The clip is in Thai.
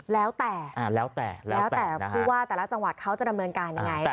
แล้วแต่พูดว่าแต่ละจังหวัดเขาจะดำเนินการยังไง